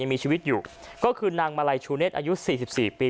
ยังมีชีวิตอยู่ก็คือนางมาลัยชูเนสอายุสี่สิบสี่ปี